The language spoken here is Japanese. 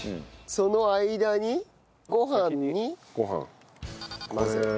その間にご飯に混ぜて。